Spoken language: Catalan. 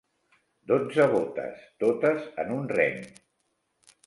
Dotze botes, totes en un reng.